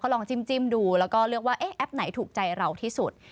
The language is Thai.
ลองจิ้มดูแล้วก็เลือกว่าแอปไหนถูกใจเราที่สุด